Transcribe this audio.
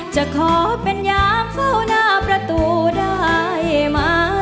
จะขอเป็นยามเฝ้าหน้าประตูได้มา